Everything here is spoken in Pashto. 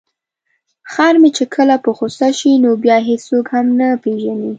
خر مې چې کله په غوسه شي نو بیا هیڅوک هم نه پيژني.